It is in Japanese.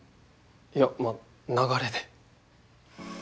いやまあ流れで。